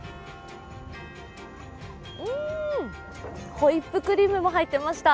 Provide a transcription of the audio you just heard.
ホイップクリームも入ってました。